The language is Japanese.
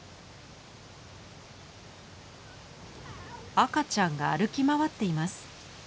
赤ちゃんが歩き回っています。